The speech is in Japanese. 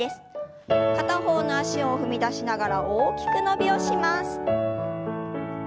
片方の脚を踏み出しながら大きく伸びをします。